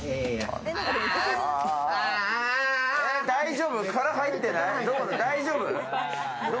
大丈夫？